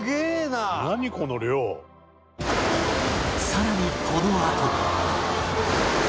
さらにこのあと